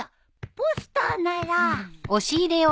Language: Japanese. ポスターなら。